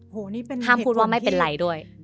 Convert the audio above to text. ห้ามพูดว่าไม่เป็นไรด้วย